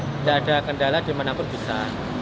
tidak ada kendala dimanapun bisa